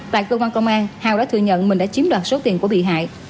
tại cơ quan công an hào đã thừa nhận mình đã chiếm đoạt số tiền của bị hại